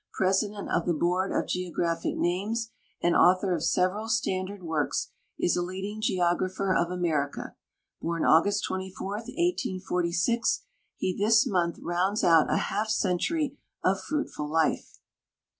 President of the Board of Geographic Names, and author of several standard works, is a leading geographer of America. Born August 24, 184(5, he this month rounds out a half century of fruitful life.